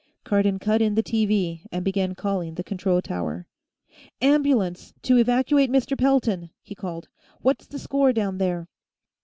Cardon cut in the TV and began calling the control tower. "Ambulance, to evacuate Mr. Pelton," he called. "What's the score, down there?"